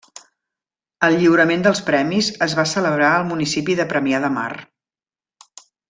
El lliurament dels premis es va celebrar al municipi de Premià de Mar.